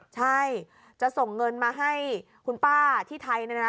ใช่จะส่งเงินมาให้คุณป้าที่ไทยเนี่ยนะ